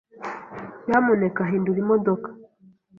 Nyamuneka hindura imodoka.